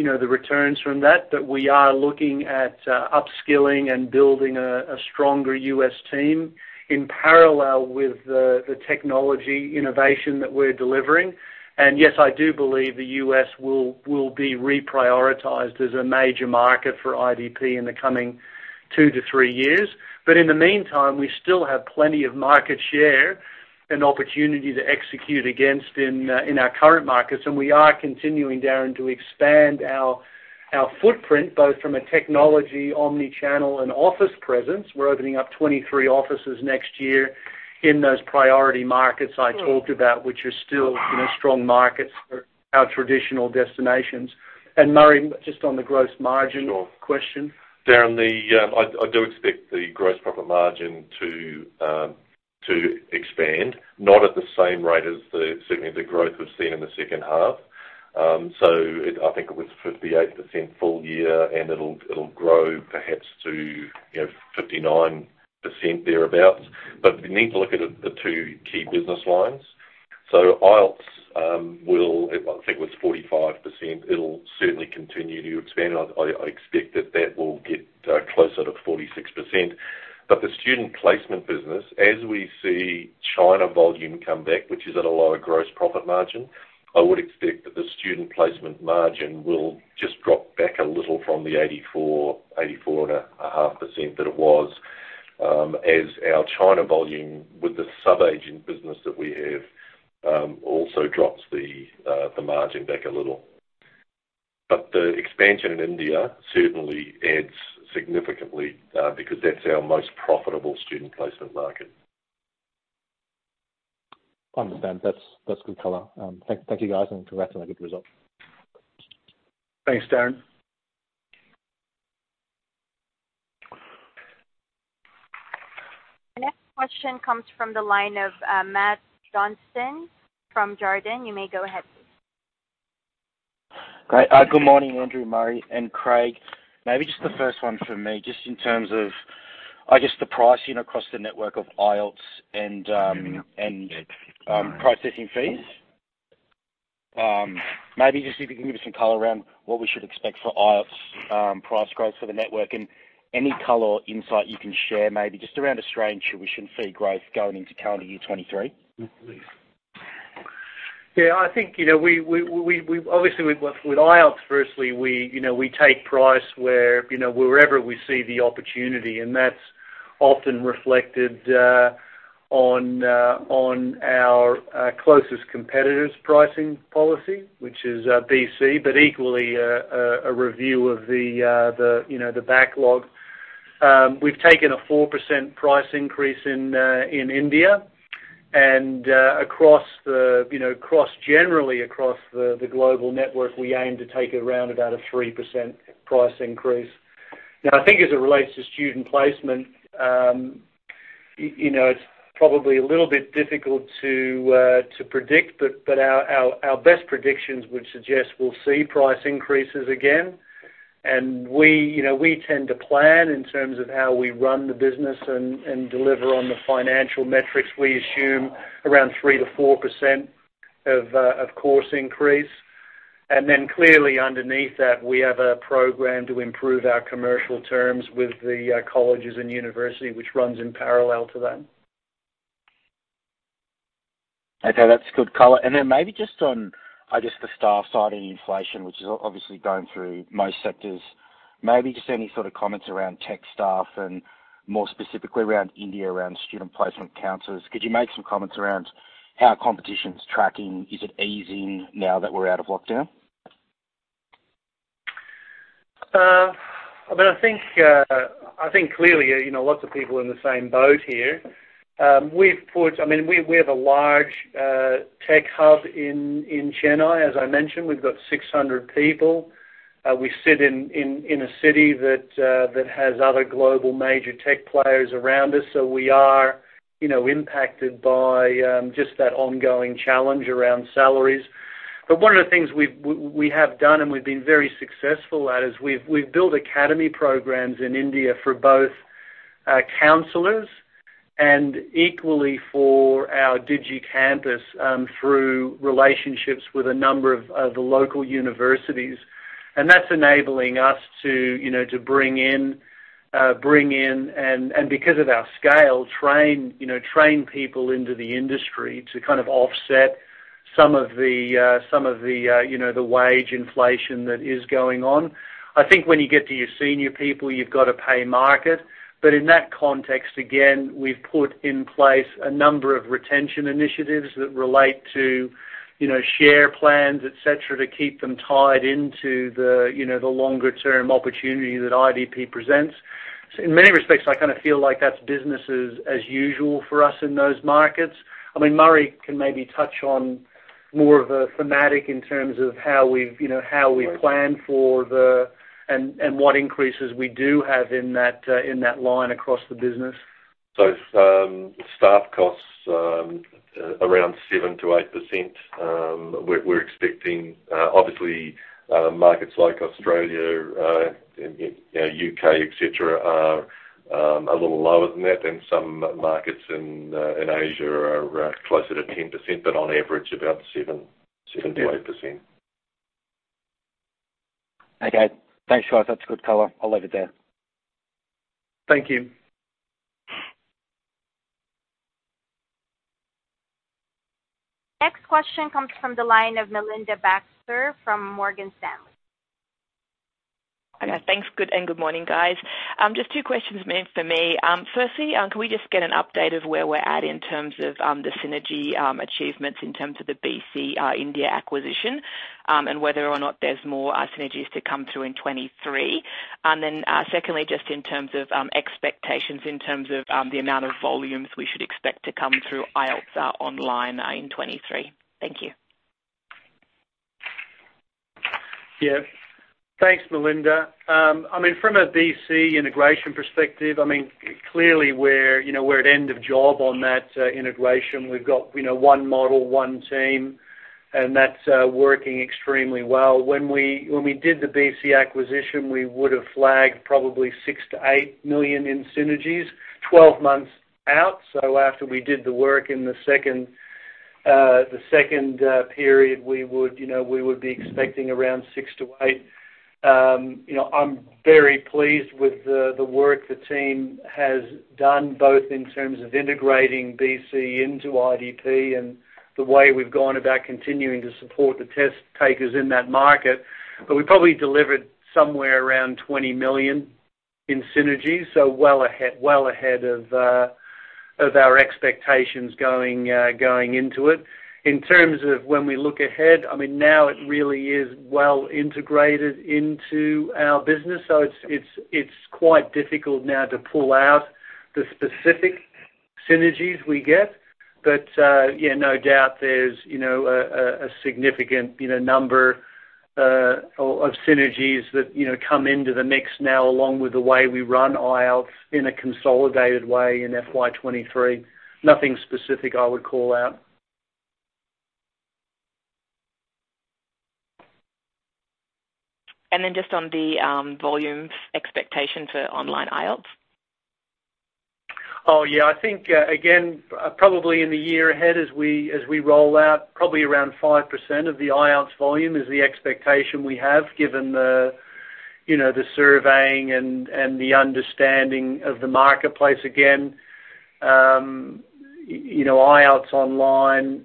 you know, the returns from that. But we are looking at upskilling and building a stronger U.S. team in parallel with the technology innovation that we're delivering. Yes, I do believe the U.S. will be reprioritized as a major market for IDP in the coming two to three years. But in the meantime, we still have plenty of market share and opportunity to execute against in our current markets. We are continuing, Darren, to expand our footprint, both from a technology, omni-channel and office presence. We're opening up 23 offices next year in those priority markets I talked about, which are still, you know, strong markets for our traditional destinations. Murray, just on the gross margin question. Sure. Darren, I do expect the gross profit margin to expand, not at the same rate as, certainly, the growth we've seen in the second half. I think it was 58% full year, and it'll grow perhaps to, you know, 59%, thereabout. You need to look at it, the two key business lines. IELTS will. I think it was 45%. It'll certainly continue to expand. I expect that will get closer to 46%. The Student Placement business, as we see China volume come back, which is at a lower gross profit margin, I would expect that the Student Placement margin will just drop back a little from the 84%-84.5% that it was, as our China volume with the sub-agent business that we have also drops the margin back a little. The expansion in India certainly adds significantly, because that's our most profitable Student Placement market. I understand. That's good color. Thank you, guys, and congrats on a good result. Thanks, Darren. The next question comes from the line of Matt Johnston from Jarden. You may go ahead please. Great. Good morning, Andrew, Murray, and Craig. Maybe just the first one for me, just in terms of, I guess, the pricing across the network of IELTS and processing fees. Maybe just if you can give us some color around what we should expect for IELTS price growth for the network and any color or insight you can share, maybe just around Australian tuition fee growth going into calendar year 2023. Yeah. I think, you know, we obviously with IELTS firstly, you know, we take price where, you know, wherever we see the opportunity, and that's often reflected on our closest competitors' pricing policy, which is BC, but equally a review of the backlog. We've taken a 4% price increase in India and generally across the global network, we aim to take around about a 3% price increase. Now, I think as it relates to Student Placement, you know, it's probably a little bit difficult to predict, but our best predictions would suggest we'll see price increases again. We, you know, we tend to plan in terms of how we run the business and deliver on the financial metrics. We assume around 3%-4% course increase. Then clearly underneath that, we have a program to improve our commercial terms with the colleges and university, which runs in parallel to that. Okay. That's good color. Maybe just on, I guess, the staff side and inflation, which is obviously going through most sectors. Maybe just any sort of comments around tech staff and more specifically around India, around Student Placement counselors. Could you make some comments around how competition's tracking? Is it easing now that we're out of lockdown? I mean, I think clearly, you know, lots of people in the same boat here. I mean, we have a large tech hub in a city that has other global major tech players around us. We are, you know, impacted by just that ongoing challenge around salaries. One of the things we have done, and we have been very successful at, is we have built academy programs in India for both counselors and equally for our Digital Campus through relationships with a number of the local universities. That's enabling us to, you know, to bring in and because of our scale, train people into the industry to kind of offset some of the wage inflation that is going on. I think when you get to your senior people, you've got to pay market. In that context, again, we've put in place a number of retention initiatives that relate to, you know, share plans, et cetera, to keep them tied into the, you know, the longer-term opportunity that IDP presents. In many respects, I kind of feel like that's business as usual for us in those markets. I mean, Murray can maybe touch on more of a thematic in terms of how we've, you know, how we plan for and what increases we do have in that line across the business. Staff costs around 7%-8%, we're expecting. Obviously, markets like Australia and, you know, U.K., et cetera, are a little lower than that, and some markets in Asia are closer to 10%, but on average about 7%-8%. Okay. Thanks, guys. That's a good color. I'll leave it there. Thank you. Next question comes from the line of Melinda Baxter from Morgan Stanley. Okay. Thanks. Good and good morning, guys. Just two questions, mate, for me. Firstly, can we just get an update of where we're at in terms of the synergy achievements in terms of the British Council India acquisition, and whether or not there's more synergies to come through in 2023? Secondly, just in terms of expectations in terms of the amount of volumes we should expect to come through IELTS Online in 2023. Thank you. Yeah. Thanks, Melinda. I mean, from a BC integration perspective, I mean, clearly, we're, you know, at end of job on that integration. We've got, you know, one model, one team, and that's working extremely well. When we did the BC acquisition, we would have flagged probably 6 million-8 million in synergies 12 months out. After we did the work in the second period, we would, you know, be expecting around 6 million-8 million. You know, I'm very pleased with the work the team has done, both in terms of integrating BC into IDP and the way we've gone about continuing to support the test takers in that market. We probably delivered somewhere around 20 million in synergies, so well ahead of our expectations going into it. In terms of when we look ahead, I mean, now it really is well integrated into our business, so it's quite difficult now to pull out the specific synergies we get. Yeah, no doubt there's, you know, a significant, you know, number of synergies that, you know, come into the mix now along with the way we run IELTS in a consolidated way in FY23. Nothing specific I would call out. Just on the volume expectation for online IELTS. Oh, yeah. I think, again, probably in the year ahead as we roll out, probably around 5% of the IELTS volume is the expectation we have given the, you know, the surveying and the understanding of the marketplace again. You know, IELTS Online,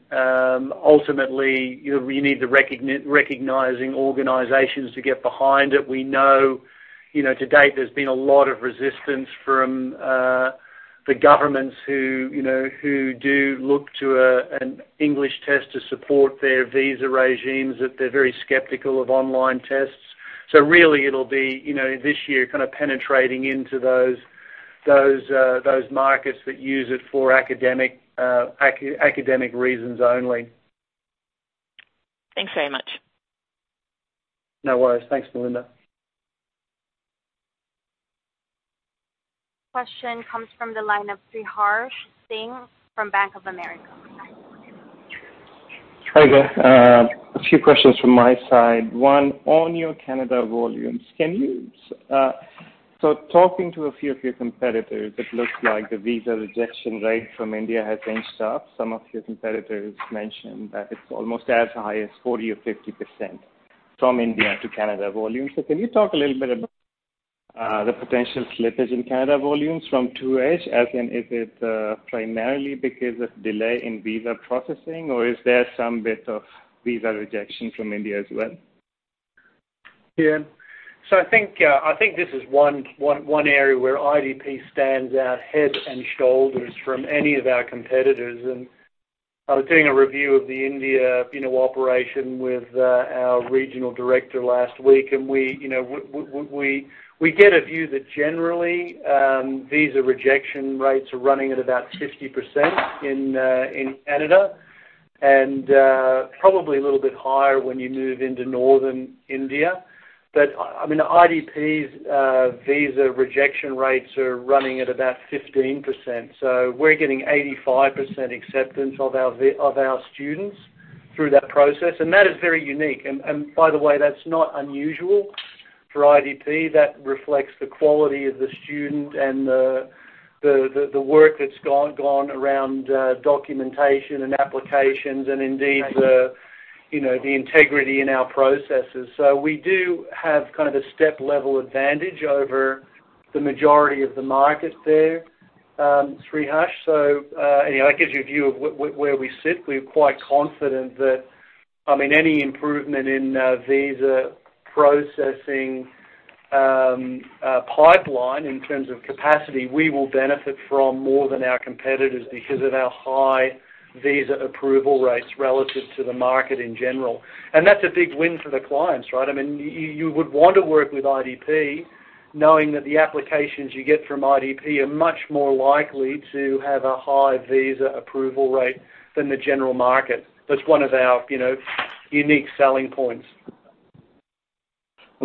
ultimately, you need the recognizing organizations to get behind it. We know, you know, to date, there's been a lot of resistance from the governments who, you know, who do look to an English test to support their visa regimes, that they're very skeptical of online tests. Really it'll be, you know, this year kind of penetrating into those markets that use it for academic reasons only. Thanks very much. No worries. Thanks, Melinda. Question comes from the line of Sriharsh Singh from Bank of America. Hi again. A few questions from my side. One, on your Canada volumes, talking to a few of your competitors, it looks like the visa rejection rate from India has inched up. Some of your competitors mentioned that it's almost as high as 40% or 50% from India to Canada volumes. Can you talk a little bit about the potential slippage in Canada volumes from 2H? As in, is it primarily because of delay in visa processing, or is there some bit of visa rejection from India as well? Yeah. I think this is one area where IDP stands out head and shoulders from any of our competitors. I was doing a review of the India operation with our regional director last week, and we get a view that generally visa rejection rates are running at about 50% in Canada, and probably a little bit higher when you move into Northern India. I mean, IDP's visa rejection rates are running at about 15%. We're getting 85% acceptance of our students through that process, and that is very unique. By the way, that's not unusual for IDP. That reflects the quality of the student and the work that's gone around documentation and applications and indeed, you know, the integrity in our processes. We do have kind of a step-level advantage over the majority of the market there, Sameer. You know, that gives you a view of where we sit. We're quite confident that, I mean, any improvement in visa processing pipeline in terms of capacity, we will benefit from more than our competitors because of our high visa approval rates relative to the market in general. That's a big win for the clients, right? I mean, you would want to work with IDP knowing that the applications you get from IDP are much more likely to have a high visa approval rate than the general market. That's one of our, you know, unique selling points.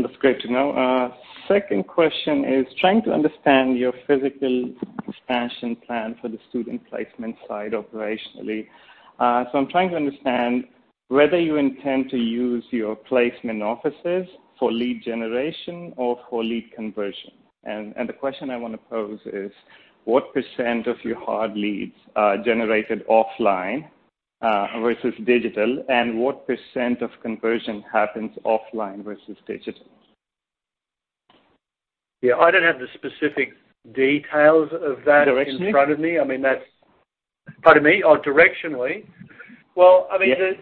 That's great to know. Second question is trying to understand your physical expansion plan for the Student Placement side operationally. I'm trying to understand whether you intend to use your placement offices for lead generation or for lead conversion. The question I wanna pose is, what % of your hard leads are generated offline vs digital? What % of conversion happens offline vs digital? Yeah, I don't have the specific details of that. Directionally? In front of me. I mean, that's. Pardon me? Oh, directionally. Well, I mean. Yes.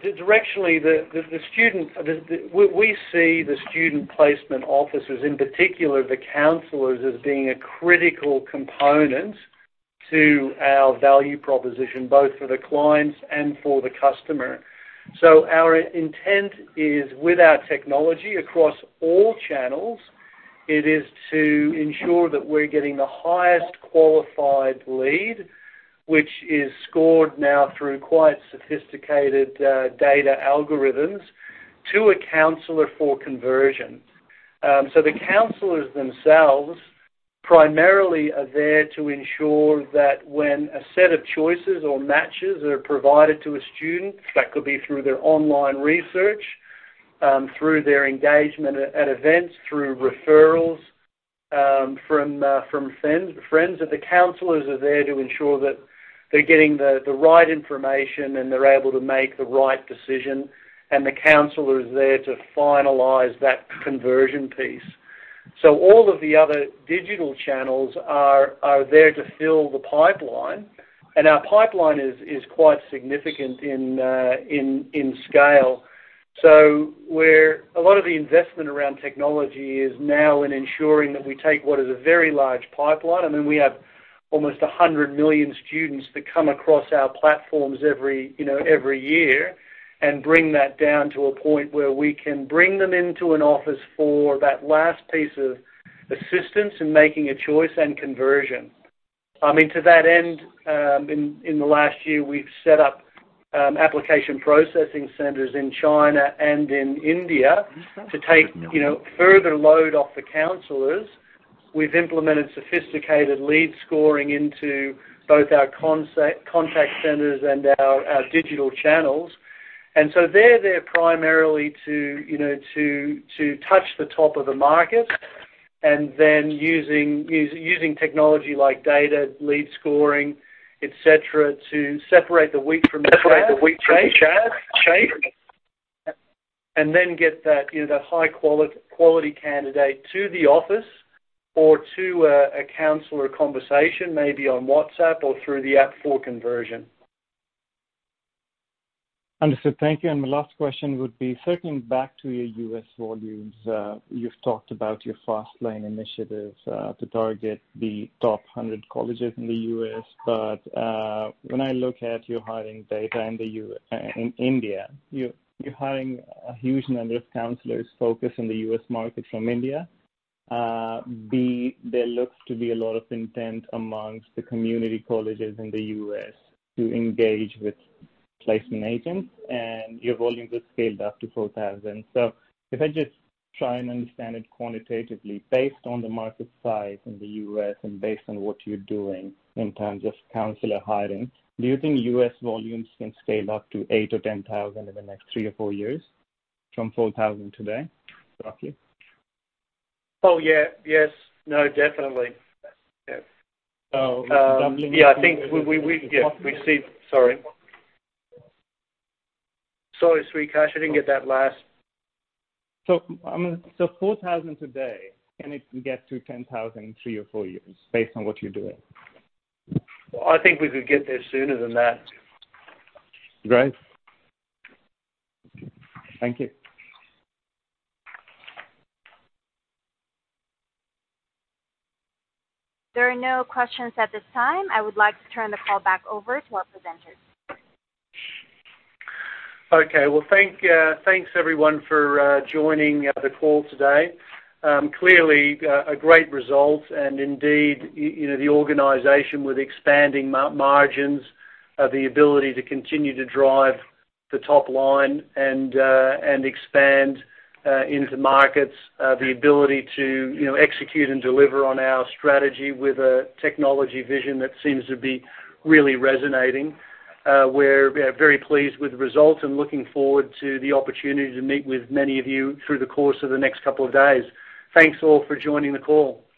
We see the Student Placement officers, in particular the counselors, as being a critical component to our value proposition, both for the clients and for the customer. Our intent is with our technology across all channels, it is to ensure that we're getting the highest qualified lead, which is scored now through quite sophisticated data algorithms, to a counselor for conversion. The counselors themselves primarily are there to ensure that when a set of choices or matches are provided to a student, that could be through their online research, through their engagement at events, through referrals, from friends. The counselors are there to ensure that they're getting the right information, and they're able to make the right decision, and the counselor is there to finalize that conversion piece. All of the other digital channels are there to fill the pipeline, and our pipeline is quite significant in scale. Where a lot of the investment around technology is now in ensuring that we take what is a very large pipeline, I mean, we have almost 100 million students that come across our platforms every you know every year and bring that down to a point where we can bring them into an office for that last piece of assistance in making a choice and conversion. I mean, to that end, in the last year, we've set up application processing centers in China and in India. Mm-hmm. To take, you know, further load off the counselors. We've implemented sophisticated lead scoring into both our contact centers and our digital channels. They're there primarily to, you know, touch the top of the market and then using technology like data, lead scoring, et cetera, to separate the wheat from the chaff, and then get that, you know, that high-quality candidate to the office or to a counselor conversation, maybe on WhatsApp or through the app for conversion. Understood. Thank you. My last question would be circling back to your U.S. volumes. You've talked about your FastLane initiative to target the top 100 colleges in the U.S. But when I look at your hiring data in India, you're hiring a huge number of counselors focused on the U.S. market from India. But there looks to be a lot of intent amongst the community colleges in the U.S. to engage with placement agents, and your volumes have scaled up to 4,000. So if I just try and understand it quantitatively, based on the market size in the U.S. and based on what you're doing in terms of counselor hiring, do you think U.S. volumes can scale up to 8,000 or 10,000 in the next three or four years from 4,000 today, roughly? Oh, yeah. Yes. No, definitely. Yeah. So Sriharsh Singh, i didn't get that last. I mean, so 4,000 today, can it get to 10,000 in three or four years based on what you're doing? I think we could get there sooner than that. Great. Thank you. There are no questions at this time. I would like to turn the call back over to our presenters. Okay. Well, thanks, everyone, for joining the call today. Clearly, a great result and indeed, you know, the organization with expanding margins, the ability to continue to drive the top line and expand into markets, the ability to, you know, execute and deliver on our strategy with a technology vision that seems to be really resonating. We are very pleased with the results and looking forward to the opportunity to meet with many of you through the course of the next couple of days. Thanks all for joining the call.